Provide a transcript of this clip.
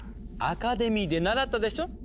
アカデミーで習ったでしょ？